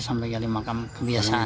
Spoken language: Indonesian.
untuk mengambil makam kebiasaan